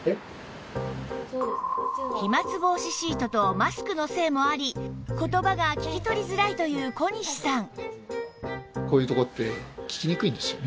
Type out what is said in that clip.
飛沫防止シートとマスクのせいもあり言葉が聞き取りづらいという小西さん